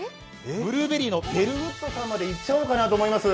ブルーベリーのベルウッドさんまで行っちゃおうと思います。